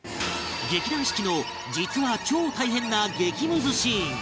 劇団四季の実は超大変な激ムズシーン